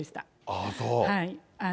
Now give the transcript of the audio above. ああ、そう。